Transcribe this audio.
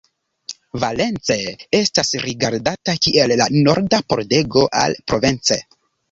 Valence estas rigardata kiel la norda pordego al Provence.